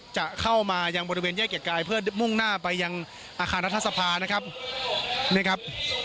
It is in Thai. จะเข้ามายังบริเวณแยกเกียรติกายเพื่อมุ่งหน้าไปยังอาคารรัฐสภานะครับนี่ครับ